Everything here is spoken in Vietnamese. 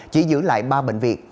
chỉ giữ lại ba bệnh viện